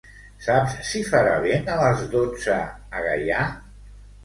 Saps si farà vent a les dotze a Gaià?